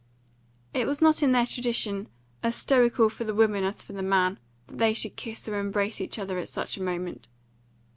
It was not in their tradition, as stoical for the woman as for the man, that they should kiss or embrace each other at such a moment.